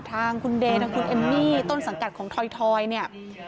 ทางคุณเดย์ทางคุณเอมมี่ต้นสังกัดของถอยเนี่ย